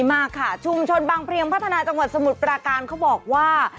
มากค่ะชุมชนบางเพลียงพัฒนาจังหวัดสมุทรปราการเขาบอกว่า